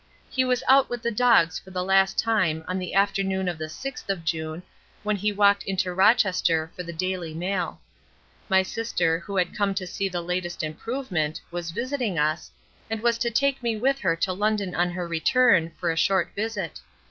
He was out with the dogs for the last time on the afternoon of the sixth of June, when he walked into Rochester for the "Daily Mail." My sister, who had come to see the latest "improvement," was visiting us, and was to take me with her to London on her return, for a short visit.